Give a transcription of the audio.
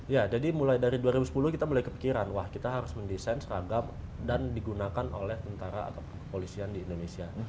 ya jadi mulai dari dua ribu sepuluh kita mulai kepikiran wah kita harus mendesain seragam dan digunakan oleh tentara atau kepolisian di indonesia